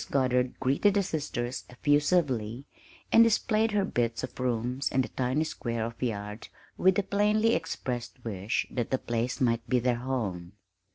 Goddard greeted the sisters effusively, and displayed her bits of rooms and the tiny square of yard with the plainly expressed wish that the place might be their home.